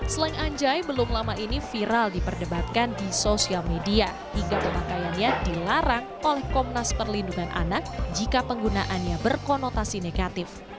slang anjay belum lama ini viral diperdebatkan di sosial media hingga pemakaiannya dilarang oleh komnas perlindungan anak jika penggunaannya berkonotasi negatif